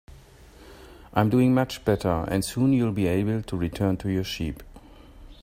I'm doing much better, and soon you'll be able to return to your sheep.